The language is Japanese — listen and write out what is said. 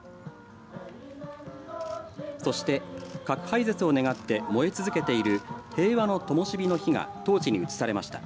そして核廃絶を願って燃え続けている平和の灯の火がトーチに移されました。